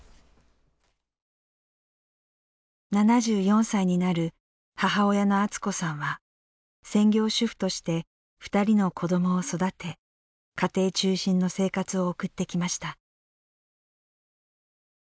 ７４歳になる母親のアツ子さんは専業主婦として２人の子どもを育て家庭中心の生活を送ってきました。